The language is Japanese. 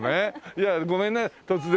いやごめんね突然。